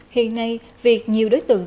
hiện nay việc nhiều đối tượng